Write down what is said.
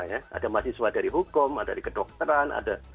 ini bukan hukum ada di kedokteran